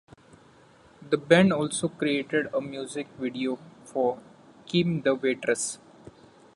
The band also created a music video for "Kim The Waitress".